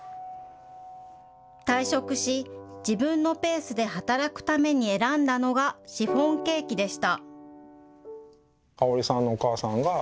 退職し、自分のペースで働くために選んだのがシフォンケーキでした。